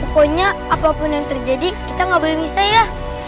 pokoknya apapun yang terjadi kita nggak boleh bisa ya